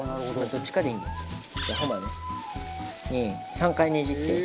３回ねじって。